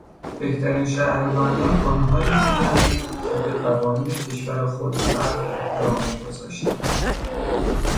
بهترین شهروندان آنهایی بودند که به قوانین کشور خود سخت احترام میگذاشتند.